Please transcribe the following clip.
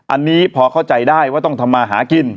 อันนี้พอเข้าใจได้ว่าต้องทำมาหากิน